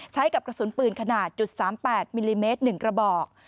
ใช้กับกระสุนปืนขนาด๓๘มิลลิเมตร๑กระบอก